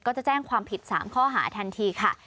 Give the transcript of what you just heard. จะแจ้งความผิด๓ข้อหาทันทีค่ะ